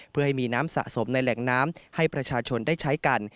เพื่อให้มีน้ำสะสมในแหล่งน้ำให้ประชาชนได้ใช้กัน